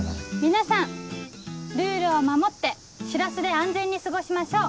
皆さんルールを守って「しらす」で安全に過ごしましょう。